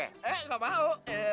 eh nggak mau